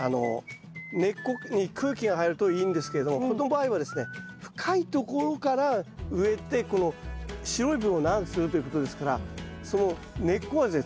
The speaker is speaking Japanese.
根っこに空気が入るといいんですけどこの場合はですね深いところから植えてこの白い部分を長くするということですからその根っこはですね